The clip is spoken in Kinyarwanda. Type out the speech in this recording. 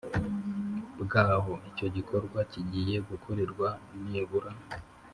Bw aho icyo gikorwa kigiye gukorerwa nibura